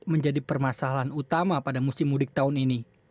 menjadi permasalahan utama pada musim mudik tahun ini